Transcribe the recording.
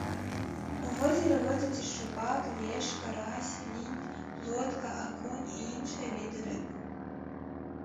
У возеры водзяцца шчупак, лешч, карась, лінь, плотка, акунь і іншыя віды рыб.